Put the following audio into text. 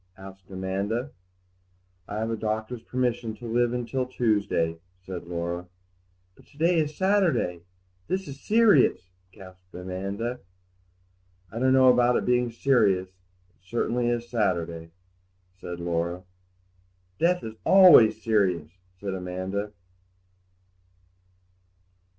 asked Amanda. "I have the doctor's permission to live till Tuesday," said Laura. "But to day is Saturday; this is serious!" gasped Amanda. "I don't know about it being serious; it is certainly Saturday," said Laura. "Death is always serious," said Amanda.